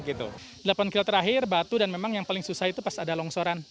delapan kilo terakhir batu dan memang yang paling susah itu pas ada longsoran